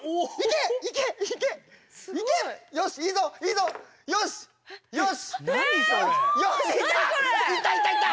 いったいったいった！